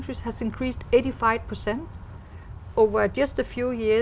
trong khu vực việt nam